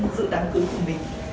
giữ đám cưới của mình